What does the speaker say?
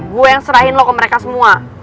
gue yang serahin lo ke mereka semua